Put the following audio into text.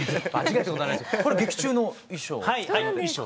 これは劇中の衣装？